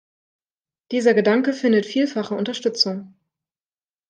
Dieser Gedanke findet vielfache Unterstützung.